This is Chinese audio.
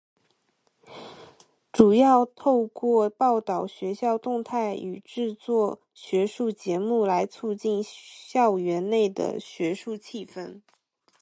主要透过报导校园动态与制作学术节目来促进校园内的学术气氛。